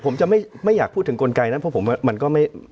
ผมจะไม่อยากพูดถึงกลไกนะเพราะผมว่ามันก็ไม่